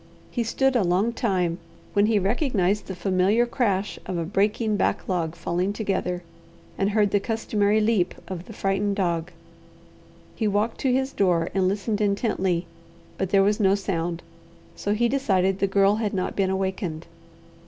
He stood a long time, when he recognized the familiar crash of a breaking backlog falling together, and heard the customary leap of the frightened dog. He walked to his door and listened intently, but there was no sound; so he decided the Girl had not been awakened.